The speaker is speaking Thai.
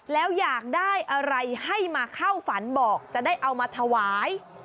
แล้วอยากได้อะไรให้มาเข้าฝันบอกจะได้เอามาถวาย